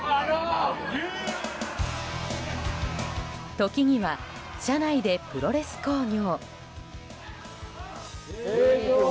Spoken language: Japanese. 時には車内でプロレス興行。